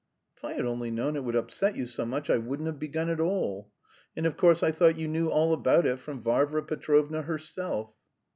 "If I had only known it would upset you so much I wouldn't have begun at all. And of course I thought you knew all about it from Varvara Petrovna herself."